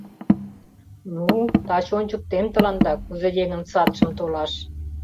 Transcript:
Ну, таче ончыктем тыланда, кузе еҥын садшым толаш!